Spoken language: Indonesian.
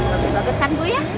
bagus bagusan bu ya